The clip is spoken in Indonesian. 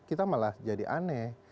kita malah jadi aneh